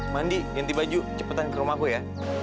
mandi ganti baju cepetan ke rumahku ya